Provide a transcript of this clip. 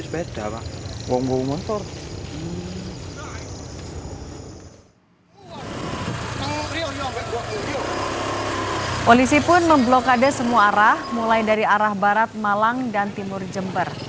polisi pun memblokade semua arah mulai dari arah barat malang dan timur jember